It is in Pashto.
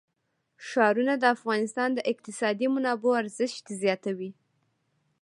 ښارونه د افغانستان د اقتصادي منابعو ارزښت زیاتوي.